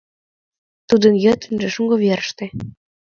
Тудын йытынже шуҥго верыште.